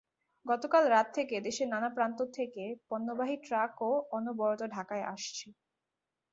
গতকাল রাত থেকে দেশের নানা প্রান্ত থেকে পণ্যবাহী ট্রাকও অনবরত ঢাকায় আসছে।